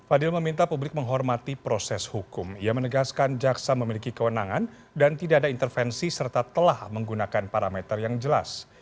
fadil meminta publik menghormati proses hukum ia menegaskan jaksa memiliki kewenangan dan tidak ada intervensi serta telah menggunakan parameter yang jelas